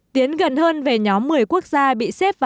tiến gần hơn về nhóm một mươi quốc gia bị xếp vào